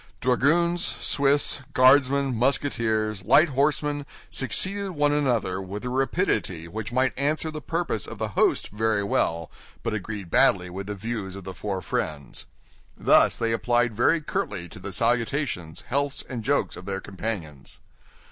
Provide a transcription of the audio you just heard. Dragoons, Swiss, Guardsmen, Musketeers, light horsemen, succeeded one another with a rapidity which might answer the purpose of the host very well, but agreed badly with the views of the four friends. Thus they applied very curtly to the salutations, healths, and jokes of their companions.